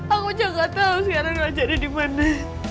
aku juga gak tahu sekarang dia aja ada di mana